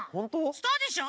スターでしょ？